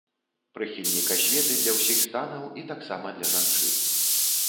Прыхільнік асветы для ўсіх станаў і таксама для жанчын.